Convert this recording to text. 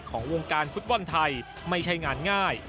ของวงการฟุตบอลไทยไม่ใช่งานง่าย